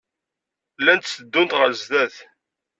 Llant tteddunt ɣer sdat.